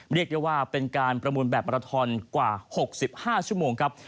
เรียกได้ว่าเป็นการประมูลแบบมาราทอนกว่า๖๕ชั่วโมงครับ